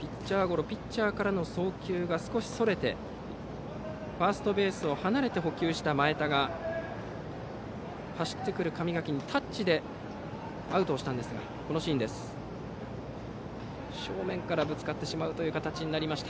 ピッチャーゴロピッチャーからの送球が少しそれて、ファーストベースを離れて捕球した前田が走ってくる神垣にタッチでアウトにしたんですが正面からぶつかってしまうという形になりました。